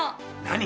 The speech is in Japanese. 何？